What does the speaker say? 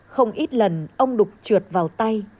không ít lần ông đục trượt vào tay